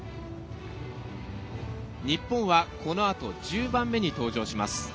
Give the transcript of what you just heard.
日本はこのあと１０番目に登場します。